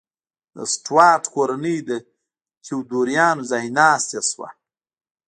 د سټورات کورنۍ د تیودوریانو ځایناستې شوه.